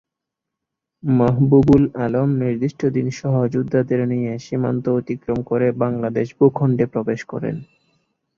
মাহবুব-উল-আলম নির্দিষ্ট দিন সহযোদ্ধাদের নিয়ে সীমান্ত অতিক্রম করে বাংলাদেশ ভূখণ্ডে প্রবেশ করেন।